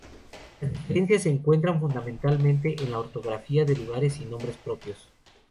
Las diferencias se encuentran fundamentalmente en la ortografía de lugares y nombres propios.